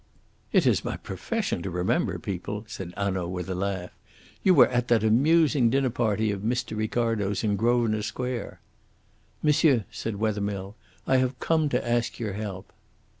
"It is my profession to remember people," said Hanaud, with a laugh. "You were at that amusing dinner party of Mr. Ricardo's in Grosvenor Square." "Monsieur," said Wethermill, "I have come to ask your help."